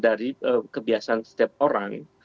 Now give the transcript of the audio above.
dari kebiasaan setiap orang